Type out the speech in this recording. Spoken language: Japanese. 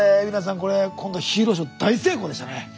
これ今度ヒーローショー大成功でしたね。